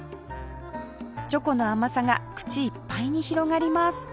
チョコの甘さが口いっぱいに広がります